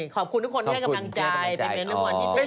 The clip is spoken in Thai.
ขอบคุณทุกคนได้กำลังใจ